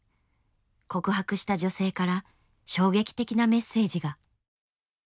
告白した女性から衝撃的なメッセージが。